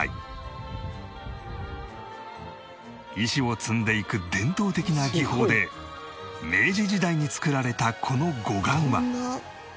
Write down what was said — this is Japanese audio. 石を積んでいく伝統的な技法で明治時代に造られたこの護岸は